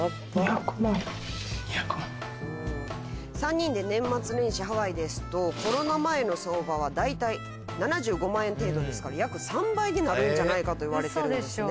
３人で年末年始ハワイですとコロナ前の相場はだいたい７５万円程度ですから約３倍になるんじゃないかといわれてるんですね。